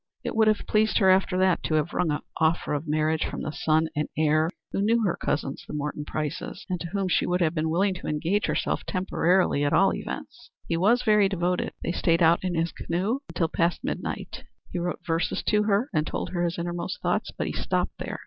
It would have pleased her after that to have wrung an offer of marriage from the son and heir, who knew her cousins, the Morton Prices, and to whom she would have been willing to engage herself temporarily at all events. He was very devoted; they stayed out in his canoe until past midnight; he wrote verses to her and told her his innermost thoughts; but he stopped there.